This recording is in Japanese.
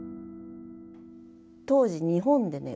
当時日本でね